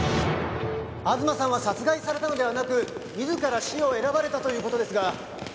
東さんは殺害されたのではなく自ら死を選ばれたという事ですが。